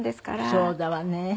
そうだわね。